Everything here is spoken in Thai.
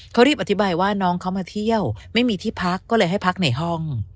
เขารีบอธิบายว่าน้องเขามาเที่ยวไม่มีที่พักก็เลยให้พักในห้อง